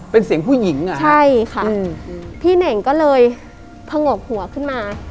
เป็นเสียงผู้หญิงอ่ะใช่ค่ะอืมพี่เน่งก็เลยผงกหัวขึ้นมา